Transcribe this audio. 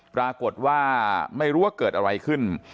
ปรากฏว่าไม่รู้ว่าเกิดอะไรขึ้น